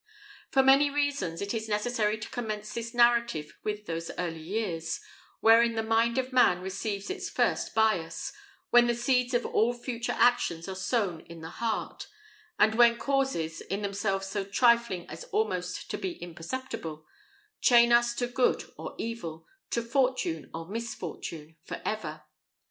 For many reasons, it is necessary to commence this narrative with those early years, wherein the mind of man receives its first bias, when the seeds of all future actions are sown in the heart, and when causes, in themselves so trifling as almost to be imperceptible, chain us to good or evil, to fortune or misfortune, for ever.